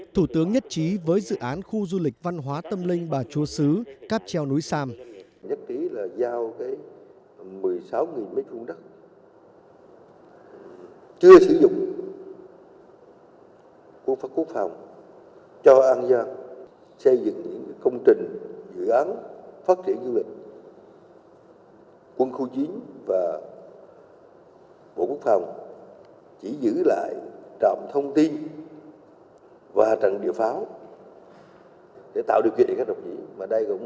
thủ tướng nhất trí với dự án khu du lịch văn hóa tâm linh bà chúa sứ cáp treo núi sam